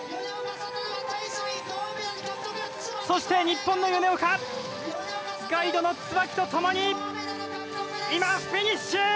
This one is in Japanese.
そして日本の米岡ガイドの椿とともに今フィニッシュ！